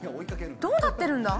どうなってるんだ？